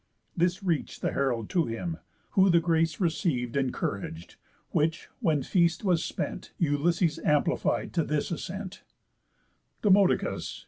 This reach'd the herald to him, who the grace Receiv'd encourag'd; which, when feast was spent, Ulysses amplified to this ascent: "Demodocus!